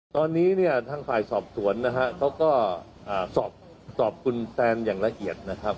ตอนนี้เนี่ยทางฝ่ายสอบสวนนะฮะเขาก็สอบคุณแตนอย่างละเอียดนะครับ